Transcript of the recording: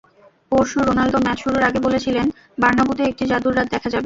পরশু Ronaldo match শুরুর আগে বলেছিলেন, বার্নাব্যুতে একটি জাদুর রাত দেখা যাবে।